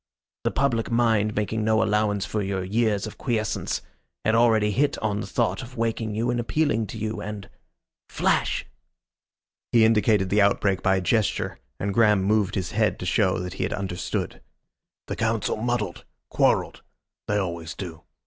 "The public mind, making no allowance for your years of quiescence, had already hit on the thought of waking you and appealing to you, and Flash!" He indicated the outbreak by a gesture, and Graham moved his head to show that he understood. "The Council muddled quarrelled. They always do.